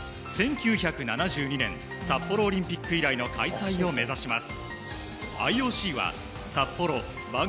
１９７２年札幌オリンピック以来の開催を目指します。